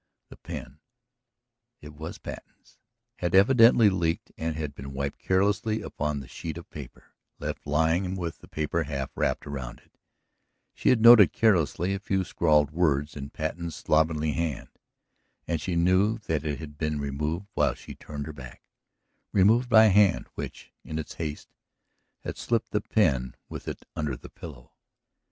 The pen ... it was Patten's ... had evidently leaked and had been wiped carelessly upon the sheet of paper, left lying with the paper half wrapped around it. She had noted carelessly a few scrawled words in Patten's slovenly hand. And she knew that it had been removed while she turned her back, removed by a hand which, in its haste, had slipped the pen with it under the pillow.